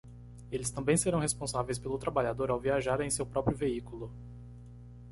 Eles também serão responsáveis pelo trabalhador ao viajar em seu próprio veículo.